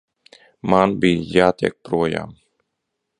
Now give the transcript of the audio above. Man bija jātiek projām.